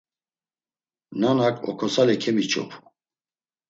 Nanak okosale kemiç̆opu.